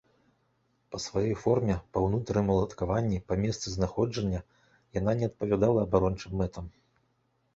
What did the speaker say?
Па сваёй форме, па ўнутраным уладкаванні, па месцы знаходжання яна не адпавядала абарончым мэтам.